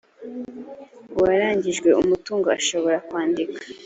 uwaragijwe umutungo ashobora kwandika.